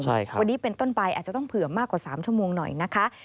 วันนี้เป็นต้นไปอาจจะต้องเผื่อมากกว่า๓ชั่วโมงหน่อยนะคะ